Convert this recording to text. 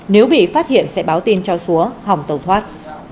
nếu bị phát hiện sẽ báo tin cho xúa hỏng tàu thoát